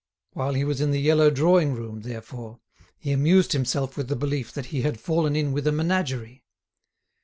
While he was in the yellow drawing room, therefore, he amused himself with the belief that he had fallen in with a menagerie.